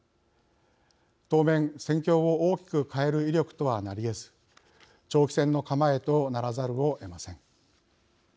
当面、戦況を大きく変える威力とはなりえず長期戦の構えとならざるをえません。